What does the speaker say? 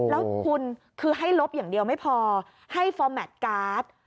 แล้วคุณคือให้ลบอย่างเดียวไม่พอให้ฟอร์แมทการ์ด